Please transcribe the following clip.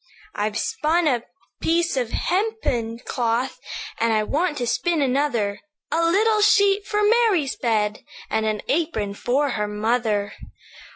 "'I've spun a piece of hempen cloth, And I want to spin another; A little sheet for Mary's bed, And an apron for her mother.